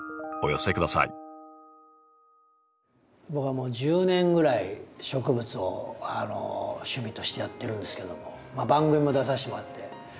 僕はもう１０年ぐらい植物をあの趣味としてやってるんですけどもまあ番組も出させてもらって。